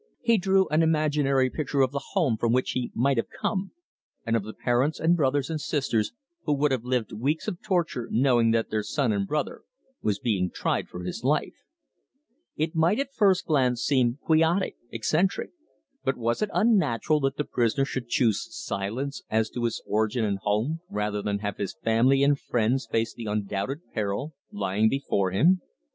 He drew an imaginary picture of the home from which he might have come, and of the parents and brothers and sisters who would have lived weeks of torture knowing that their son and brother was being tried for his life. It might at first glance seem quixotic, eccentric, but was it unnatural that the prisoner should choose silence as to his origin and home, rather than have his family and friends face the undoubted peril lying before him?